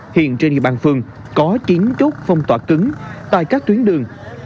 hiện trên địa bàn phường có chín chốt phong tỏa cứng tại các tuyến đường